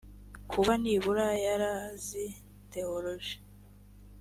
kuba nibura yarize theoloji